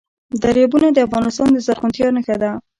دریابونه د افغانستان د زرغونتیا نښه ده.